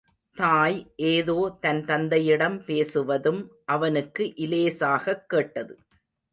தாய் ஏதோ தன் தந்தையிடம் பேசுவதும் அவனுக்கு இலேசாகக் கேட்டது.